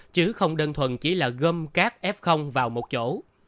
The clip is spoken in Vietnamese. chứ không đơn thuần chỉ là gom cát f vào một chỗ